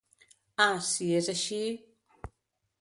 Ah, si és així...